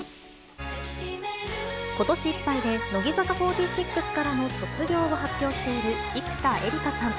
ことしいっぱいで乃木坂４６からの卒業を発表している、生田絵梨花さん。